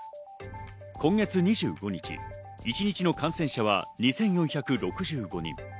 今月２５日、一日の感染者は２４６５人。